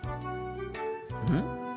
うん？